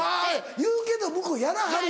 言うけど向こうやらはるやんか。